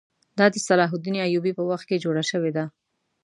دا د صلاح الدین ایوبي په وخت کې جوړه شوې ده.